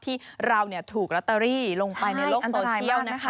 ที่เราถูกราเตอรี่ลงไปในโลกโซเชียล